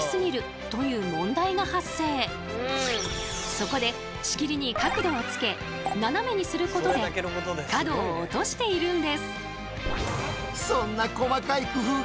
そこで仕切りに角度をつけ斜めにすることで角を落としているんです。